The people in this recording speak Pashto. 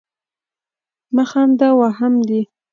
مه خانده ! وهم دي.